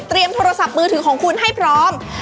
โทรศัพท์มือถือของคุณให้พร้อม